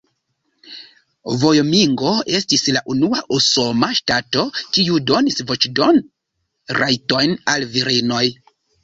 Vajomingo estis la unua usona ŝtato, kiu donis voĉdon-rajtojn al virinoj.